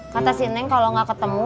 kata si neng kalau gak ketemu